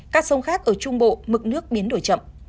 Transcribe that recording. các sông khác ở trung bộ mực nước biến đổi chậm